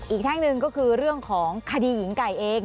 แท่งหนึ่งก็คือเรื่องของคดีหญิงไก่เอง